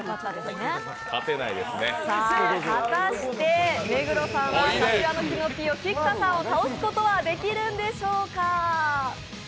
果たして、目黒さんは柏のキノピオ・菊田さんを倒すことができるんでしょうか。